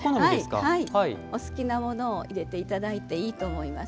お好きなものを入れていただいていいです。